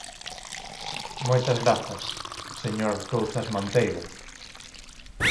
Moitas grazas, señor Touzas Manteiga.